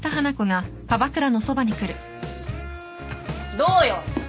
どうよ？